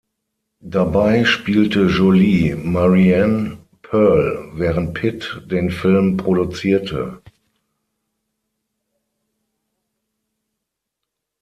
Dabei spielte Jolie Mariane Pearl, während Pitt den Film produzierte.